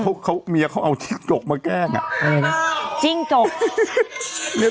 เขาเขาเมียเขาเอาจริงจกมาแกล้งอะเออจริงจกเนี้ย